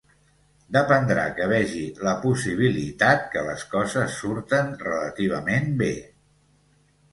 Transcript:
Dependrà que vegi la possibilitat que les coses surten relativament bé.